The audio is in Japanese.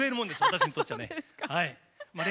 私にとっちゃね。